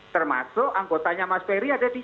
termasuk anggotanya mas ferry ada di